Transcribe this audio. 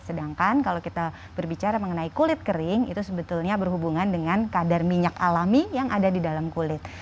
sedangkan kalau kita berbicara mengenai kulit kering itu sebetulnya berhubungan dengan kadar minyak alami yang ada di dalam kulit